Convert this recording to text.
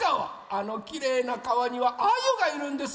あのきれいなかわにはアユがいるんです。